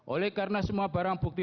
oleh karena semua barang bukti